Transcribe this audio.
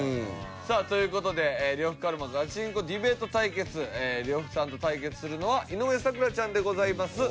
さあという事で呂布カルマガチンコディベート対決呂布さんと対決するのは井上咲楽ちゃんでございます。